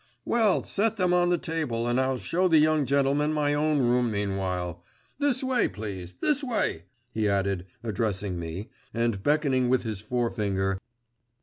'Well, set them on the table, and I'll show the young gentleman my own room meanwhile. This way, please, this way,' he added, addressing me, and beckoning with his forefinger.